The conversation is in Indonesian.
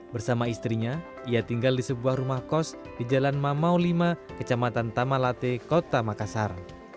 bersama istrinya ia tinggal di sebuah rumah kos di jalan mamau lima kecamatan tamalate kota makassar